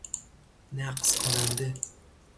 نقض کننده